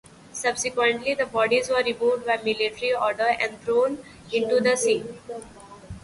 Subsequently the bodies were removed by military order and thrown into the sea.